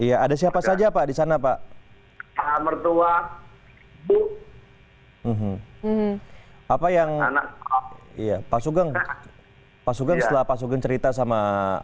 iya ada siapa saja pak di sana pak mertua bu apa yang anak iya pasukan pasukan pasukan cerita sama